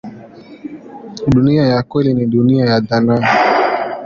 Dunia ya kweli ni dunia ya dhana.